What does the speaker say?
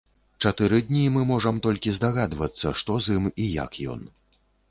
Чатыры дні мы можам толькі здагадвацца, што з ім і як ён.